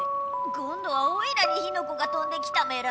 今度はオイラに火の粉がとんできたメラ。